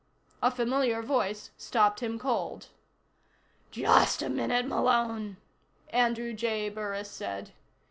A familiar voice stopped him cold. "Just a minute, Malone," Andrew J. Burris said.